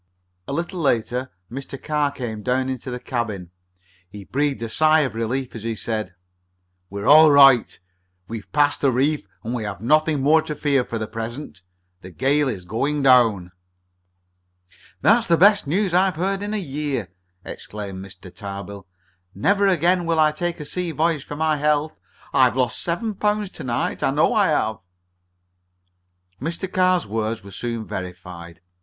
A little later Mr. Carr came down into the cabin. He breathed a sigh of relief as he said: "We're all right. We've passed the reef and we have nothing more to fear for the present. The gale is going down." "That's the best news I've heard in a year!" exclaimed Mr. Tarbill. "Never again will I take a sea voyage for my health. I've lost seven pounds to night, I know I have." Mr. Carr's words were soon verified.